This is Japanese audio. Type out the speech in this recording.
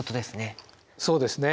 そうですね。